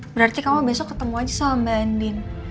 berarti kamu besok ketemu aja sama mbak andin